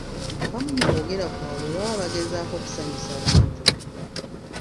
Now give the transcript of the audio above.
Abamu mu kwogera kwabwe baba bagezaako kusanyusa bantu.